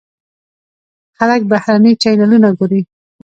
خلک بهرني چینلونه ګوري.